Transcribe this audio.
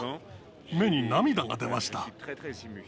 目に涙が出ました。